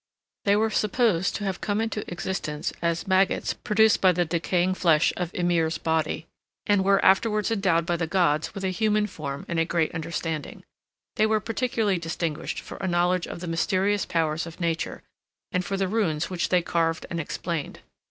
They were supposed to have come into existence as maggots produced by the decaying flesh of Ymir's body, and were afterwards endowed by the gods with a human form and great understanding. They were particularly distinguished for a knowledge of the mysterious powers of nature, and for the runes which they carved and explained.